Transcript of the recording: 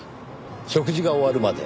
食事が終わるまで。